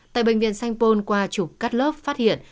tại bệnh viện sanh pôn qua chụp cắt lớp phát hiện